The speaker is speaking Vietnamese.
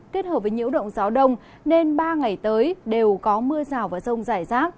kết hợp với nhiễu động gió đông nên ba ngày tới đều có mưa rào và rông rải rác